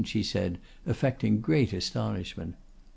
she said, affecting great astonishment.